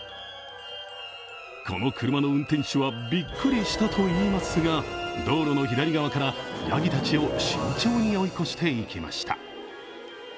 この車の運転手はびっくりしたといいますが道路の左側からやぎたちを慎重に追い越していきました。